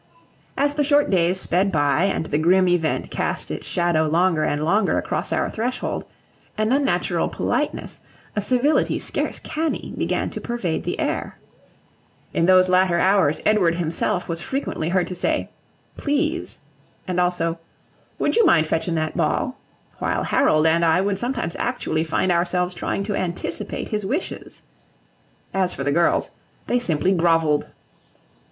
As the short days sped by and the grim event cast its shadow longer and longer across our threshold, an unnatural politeness, a civility scarce canny, began to pervade the air. In those latter hours Edward himself was frequently heard to say "Please," and also "Would you mind fetchin' that ball?" while Harold and I would sometimes actually find ourselves trying to anticipate his wishes. As for the girls, they simply grovelled.